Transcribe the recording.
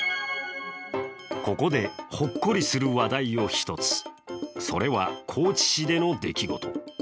ここで、ほっこりする話題を一つそれは高知市での出来事。